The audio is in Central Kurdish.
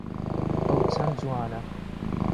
ئەو چەند جوانە!